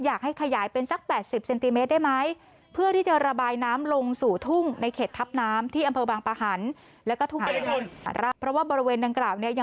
อยากให้ขยายเป็น๘๐เซนติเมตรได้ไหม